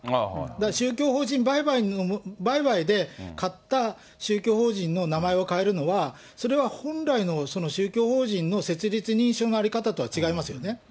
だから、宗教法人売買で買った宗教法人の名前を変えるのは、それは本来の宗教法人の設立認証の在り方とは違いますよね。